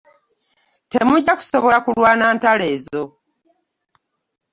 Temujja kusobola kulwana ntalo ezo.